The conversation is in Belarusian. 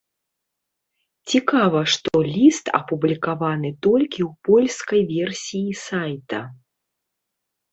Цікава, што ліст апублікаваны толькі ў польскай версіі сайта.